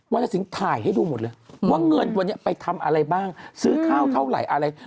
รสินถ่ายให้ดูหมดเลยว่าเงินวันนี้ไปทำอะไรบ้างซื้อข้าวเท่าไหร่อะไร